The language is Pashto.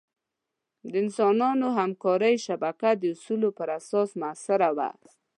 د انسانانو همکارۍ شبکه د اصولو پر اساس مؤثره وه.